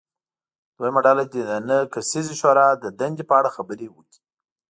دویمه ډله دې د نهه کسیزې شورا د دندې په اړه خبرې وکړي.